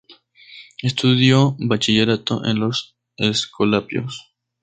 Estudió bachillerato en los escolapios.